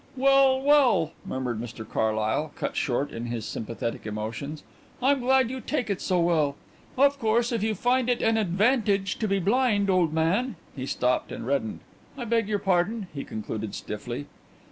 "Well, well," murmured Mr Carlyle, cut short in his sympathetic emotions. "I'm glad you take it so well. Of course, if you find it an advantage to be blind, old man " He stopped and reddened. "I beg your pardon," he concluded stiffly.